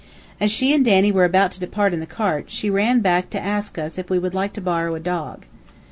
As she and Danny were about to depart in the cart, she ran back to ask us if we would like to borrow a dog.